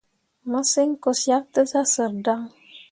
Massǝŋ ko syak tǝ zah sǝrri dan.